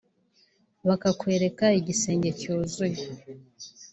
bakakwereka igisenge cyuzuye